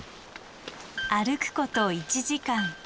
歩くこと１時間。